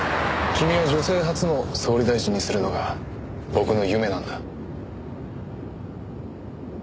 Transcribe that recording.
君を女性初の総理大臣にするのが僕の夢なんだ。